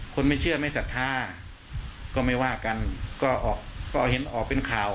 คนไม่เชื่อไม่ศรัทธาก็ไม่ว่ากันก็ออกก็เห็นออกเป็นข่าว